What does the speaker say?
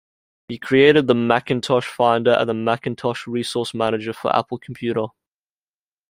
He created the Macintosh Finder and the Macintosh Resource Manager for Apple Computer.